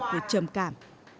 của trầm cảm